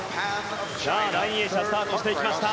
第２泳者スタートしていきました。